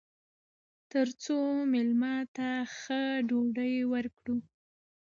تر څو میلمه ته ښه ډوډۍ ورکړو.